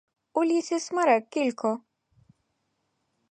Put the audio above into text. У лісі смерек кілько?